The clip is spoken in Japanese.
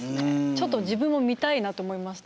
ちょっと自分も見たいなと思いました。